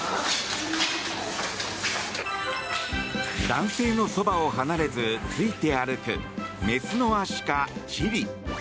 男性のそばを離れずついて歩くメスのアシカ、チリ。